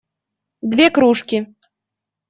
Две кружки.